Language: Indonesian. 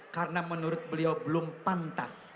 karena menurut beliau belum pantas